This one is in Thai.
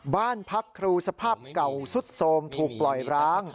บ้านพักครูสภาพเก่าสุดโทรมถูกปล่อยร้าง